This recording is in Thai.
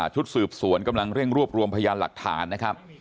ชุดสืบสวนกำลังเร่งรวบรวมพยานหลักฐานนะครับ